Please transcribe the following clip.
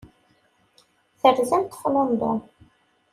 Terzamt ɣef London.